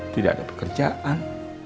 tidak ada pekerjaan